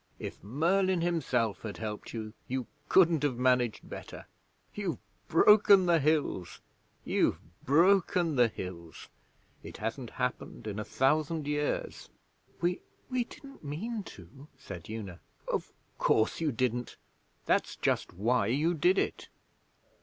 If Merlin himself had helped you, you couldn't have managed better! You've broken the Hills you've broken the Hills! It hasn't happened in a thousand years.' 'We we didn't mean to,' said Una. 'Of course you didn't! That's just why you did it.